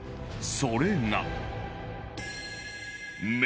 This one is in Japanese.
それが